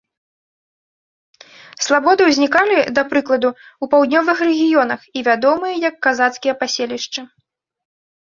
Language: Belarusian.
Слабоды ўзнікалі, да прыкладу, у паўднёвых рэгіёнах і вядомыя як казацкія паселішчы.